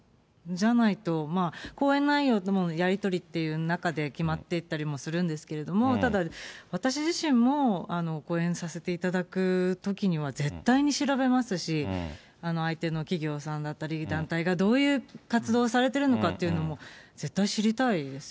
じゃないと講演内容のやり取りという中で、決まっていったりもするんですけれども、ただ、私自身も講演させていただくときには、絶対に調べますし、相手の企業さんだったり、団体がどういう活動されてるのかというのも、絶対知りたいです。